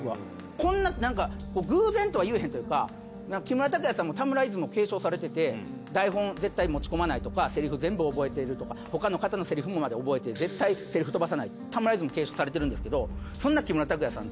こんな偶然とは言えへんというか木村拓哉さんも田村イズムを継承されてて台本絶対持ち込まないとかセリフ全部覚えてるとか他の方のセリフまで覚えて絶対セリフ飛ばさない田村イズム継承されてるんですけどそんな木村拓哉さん